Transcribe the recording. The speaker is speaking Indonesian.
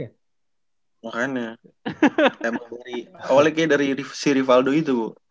awalnya kayaknya dari si rivaldo itu